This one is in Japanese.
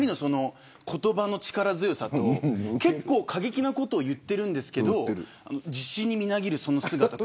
言葉の力強さと結構過激なことを言っているけど自信にみなぎる、その姿。